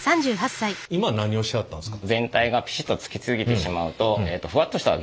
今何をしてはったんですか？